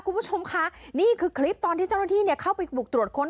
คุณผู้ชมคะนี่คือคลิปตอนที่เจ้าหน้าที่เนี่ยเข้าไปบุกตรวจค้น